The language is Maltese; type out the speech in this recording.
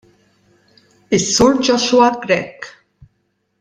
Is-Sur Joshua Grech.